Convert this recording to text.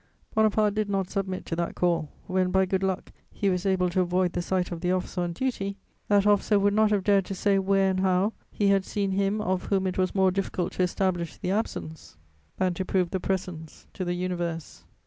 Bonaparte did not submit to that call; when, by good luck, he was able to avoid the sight of the officer on duty, that officer would not have dared to say where and how he had seen him of whom it was more difficult to establish the absence than to prove the presence to the universe.